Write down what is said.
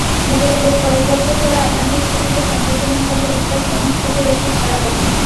বিগত বেশ কয়েক বছর ধরে আটলান্টিক সিটিতে সাংগঠনিকভাবে ইফতার সংস্কৃতির একটি ধারা বহমান।